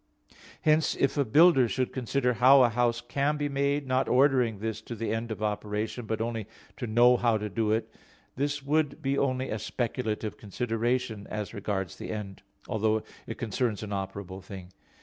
Hence if a builder should consider how a house can be made, not ordering this to the end of operation, but only to know (how to do it), this would be only a speculative considerations as regards the end, although it concerns an operable thing.